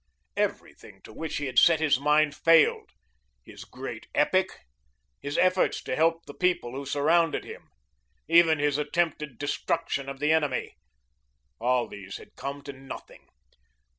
Everything to which he had set his mind failed his great epic, his efforts to help the people who surrounded him, even his attempted destruction of the enemy, all these had come to nothing.